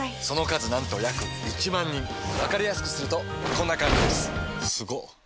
その数なんと約１万人わかりやすくするとこんな感じすごっ！